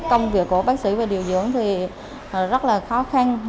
công việc của bác sĩ và điều dưỡng thì rất là khó khăn